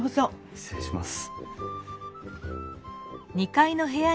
失礼します。